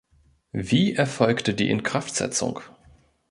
Wie erfolgte die Inkraftsetzung?